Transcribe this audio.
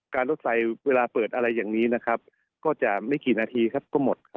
การรถไซส์เวลาเปิดอะไรอย่างนี้ก็จะไม่กี่นาทีก็หมด